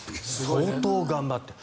相当、頑張っている。